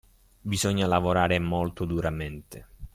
Bisogna lavorare molto duramente